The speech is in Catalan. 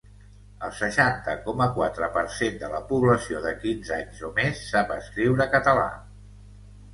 El seixanta coma quatre per cent de la població de quinze anys o més sap escriure català.